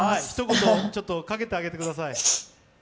ひと言かけてあげてください。